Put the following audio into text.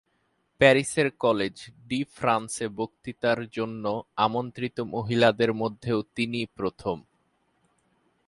প্যারিসের college de ফ্রান্সে বক্তৃতার জন্য আমন্ত্রিত মহিলাদের মধ্যেও তিনি প্রথম।